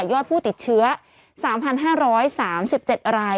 ยอดผู้ติดเชื้อสามพันห้าร้อยสามสิบเจ็ดราย